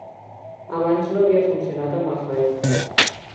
Abans no havia funcionat amb el Firefox.